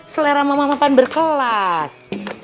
selera mama mama pan berkelas